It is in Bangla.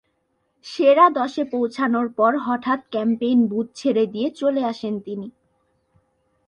সেরা দশে পৌছানোর পর হঠাৎ ক্যাম্পেইন বুথ ছেড়ে দিয়ে চলে আসেন তিনি।